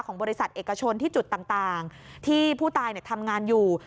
บริษัทเอกชนที่จุดต่างที่ผู้ตายทำงานอยู่